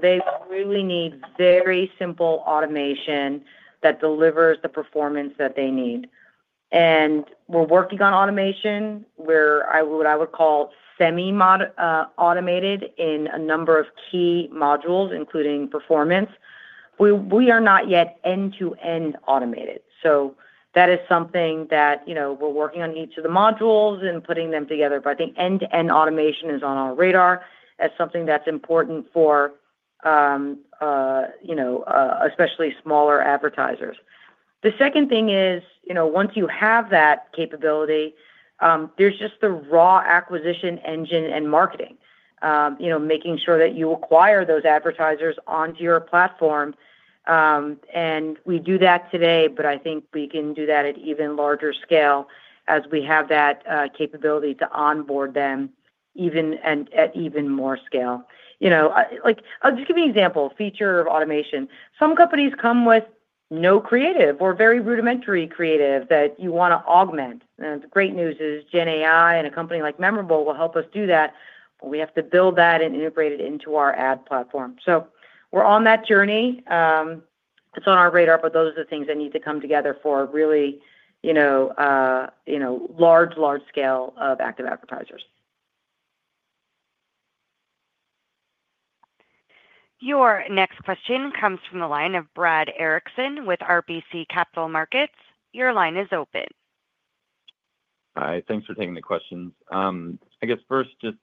They really need very simple automation that delivers the performance that they need. We're working on automation where I would call semi-automated in a number of key modules, including performance. We are not yet end-to-end automated. That is something that we're working on, each of the modules and putting them together. I think end-to-end automation is on our radar as something that's important for especially smaller advertisers. The second thing is, once you have that capability, there's just the raw acquisition engine and marketing, making sure that you acquire those advertisers onto your platform. We do that today. I think we can do that at even larger scale as we have that capability to onboard them at even more scale. I'll just give you an example feature of automation. Some companies come with no creative or very rudimentary creative that you want to augment. The great news is GenAI and a company like Memorable will help us do that. We have to build that and integrate it into our ad platform. We're on that journey, it's on our radar. Those are the things that need to come together for really large scale of active advertisers. Your next question comes from the line of Brad Erickson with RBC Capital Markets. Your line is open. Hi, thanks for taking the questions. I guess first, just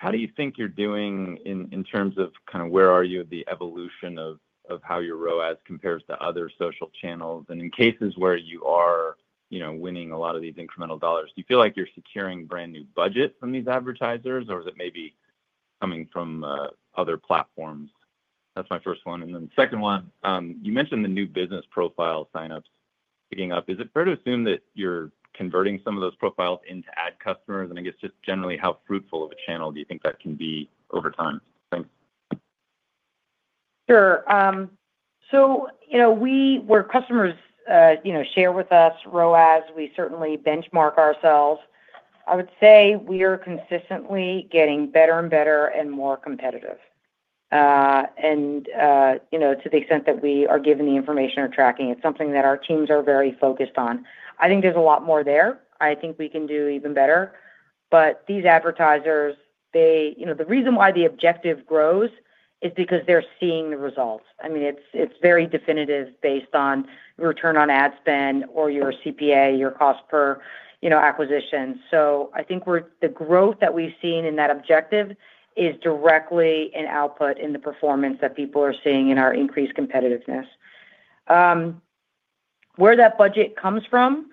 how do you think you're doing in terms of kind of where are you, the evolution of how your ROAS compares to other social channels, and in cases where you are winning a lot of these incremental dollars. Do you feel like you're securing brand? new budget from these advertisers or is it maybe coming from other platforms? That's my first one. You mentioned the new business profile signups picking up. Is it fair to assume that you're converting some of those profiles into ad customers? Just generally, how fruitful of a channel do you think that can be over time? Thanks. Sure. Where customers share with us ROAS, we certainly benchmark ourselves. I would say we are consistently getting better and better and more competitive, and to the extent that we are given the information or tracking, it's something that our teams are very focused on. I think there's a lot more there, I think we can do even better. These advertisers, the reason why the objective grows is because they're seeing the results. It's very definitive based on return on ad spend or your CPA, your cost per acquisition. I think the growth that we've seen in that objective is directly an output in the performance that people are seeing in our increased competitiveness. Where. That budget comes from,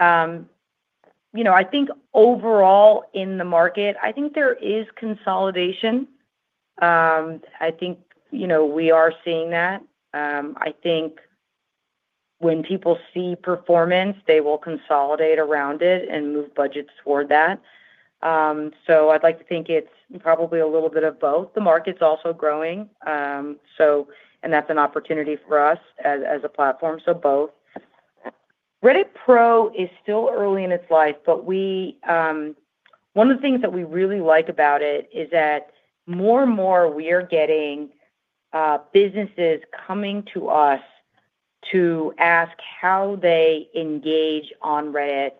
you know, I think overall in the market, there is consolidation. I think we are seeing that. I think when people see performance, they will consolidate around it and move budgets toward that. I'd like to think it's probably a little bit of both. The market's also growing, and that's an opportunity for us as a platform. So both. Reddit Pro is still early in its life, but one of the things that we really like about it is that more and more we are getting businesses coming to us to ask how they engage on Reddit,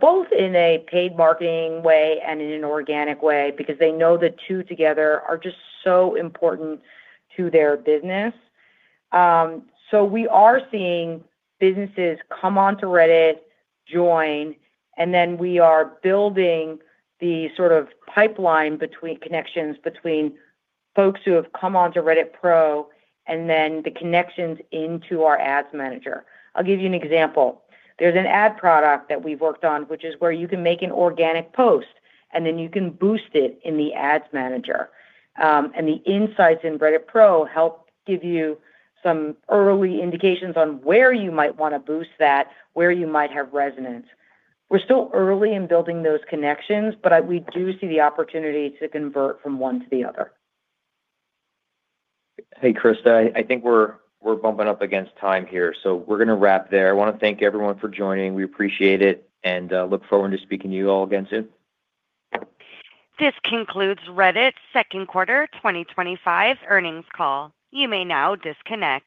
both in a paid marketing way and in an organic way, because they know the two together are just so important to their business. We are seeing businesses come onto Reddit, join, and then we are building the sort of pipeline between connections between folks who have come onto Reddit Pro and then the connections into our Ads Manager. I'll give you an example. There's an ad product that we've worked on, which is where you can make an organic post and then you can boost it in the Ads Manager. The insights in Reddit Pro help give you some early indications on where you might want to boost that, where you might have resonance. We are still early in building those connections, but we do see the opportunity to convert from one to the other. Hey Krista, I think we're bumping up against time here, so we're going to wrap there. I want to thank everyone for joining. We appreciate it and look forward to speaking to you all again soon. This concludes Reddit's Second Quarter 2025 Earnings Call. You may now disconnect.